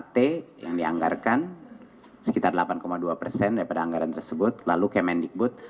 empat puluh satu empat puluh lima t yang dianggarkan sekitar delapan dua persen daripada anggaran tersebut lalu kemendikbud